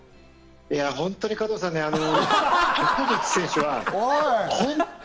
本当に加藤さんね、錦織選手は本当に。